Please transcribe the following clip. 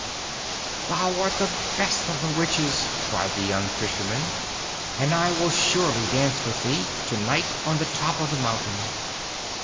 'Thou art the best of the witches,' cried the young Fisherman, 'and I will surely dance with thee to night on the top of the mountain.